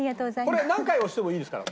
これ何回押してもいいですから。